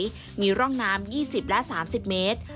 ที่มีร่องน้ำ๒๐และ๓๐เมตร